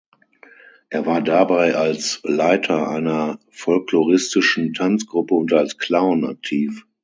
Er war dabei als Leiter einer folkloristischen Tanzgruppe und als Clown aktiv.